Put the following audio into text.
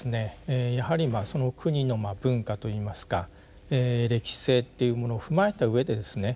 やはりまあその国の文化といいますか歴史性というものを踏まえたうえでですね